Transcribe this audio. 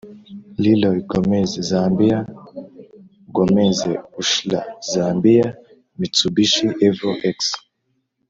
Leroy Gomez (Zambia) & Gomez Urshlla (Zambia) – Mitsubishi Evo X